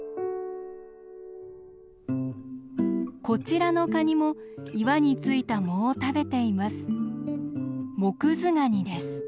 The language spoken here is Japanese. こちらのカニも岩に付いた藻を食べています。